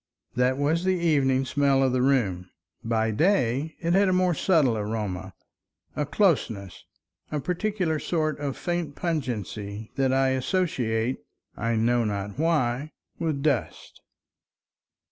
That was the evening smell of the room. By day it had a more subtle aroma, a closeness, a peculiar sort of faint pungency that I associate—I know not why—with dust.